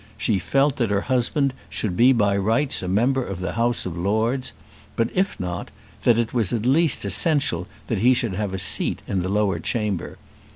She felt that her husband should be by rights a member of the House of Lords; but, if not, that it was at least essential that he should have a seat in the lower chamber.